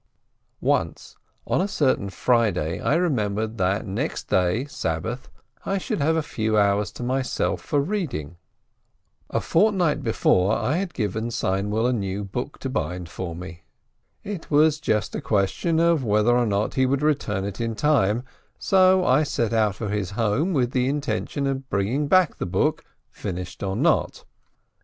Once, on a certain Friday, I remembered that next day, Sabbath, I should have a few hours to myself for reading. A fortnight before I had given Seinwill a new book to bind for me. It was just a question whether or not he would return it in time, so I set out for his home, with the intention of bringing back the book, finished or not.